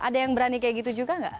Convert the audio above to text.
ada yang berani kayak gitu juga nggak